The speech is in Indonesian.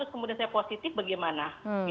kemudian saya positif bagaimana